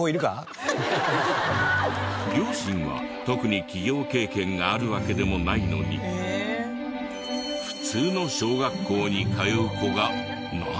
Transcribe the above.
両親は特に起業経験があるわけでもないのに普通の小学校に通う子がなぜ？